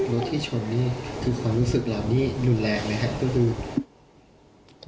รถที่ชนนี่คือความรู้สึกเหล่านี้หลุนแหลกไหมครับคุณผู้ชม